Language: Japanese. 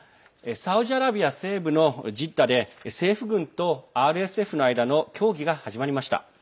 サウジアラビア西部のジッダで、政府軍とＲＳＦの間の協議が始まりました。